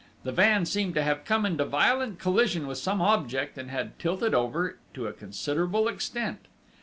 The van seemed to have come into violent collision with some object and had tilted over to a considerable extent.